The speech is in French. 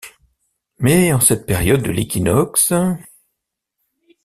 Mais, en cette période de l’équinoxe